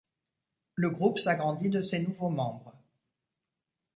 Le groupe s'agrandit de ses nouveaux membres.